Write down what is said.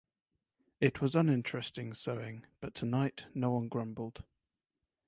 It was uninteresting sewing, but tonight no one grumbled.